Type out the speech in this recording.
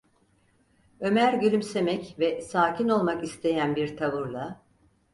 Ömer gülümsemek ve sakin olmak isteyen bir tavırla: